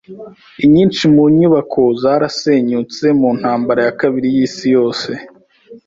Inyinshi mu nyubako zarasenyutse mu Ntambara ya Kabiri y'Isi Yose.